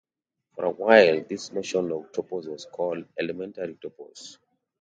For a while this notion of topos was called 'elementary topos'.